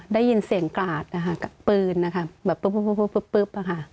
ได้ยินเสียงกราดนะคะกับปืนนะคะแบบปุ๊บอะค่ะ